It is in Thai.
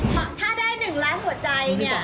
ถ้าเราก็ได้หนึ่งล้านของตัวใจเนี่ย